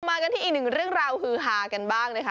มากันที่อีกหนึ่งเรื่องราวฮือฮากันบ้างนะคะ